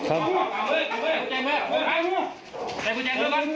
โอ้ย